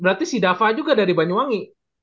berarti si dafa juga dari banyuwangi